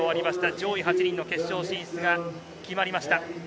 上位８人の決勝進出が決まりました。